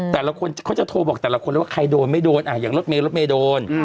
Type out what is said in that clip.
แต่ละคนเขาจะโทรบอกแต่ละคนเลยว่าใครโดนไม่โดนอย่างรถเมยรถเมย์โดน